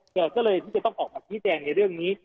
ก็เลยที่จะต้องออกมาชี้แจงในเรื่องนี้